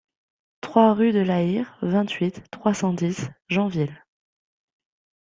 trois rue de Laïr, vingt-huit, trois cent dix, Janville